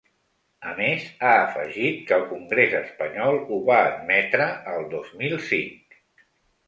A més, ha afegit que el congrés espanyol ho va admetre el dos mil cinc.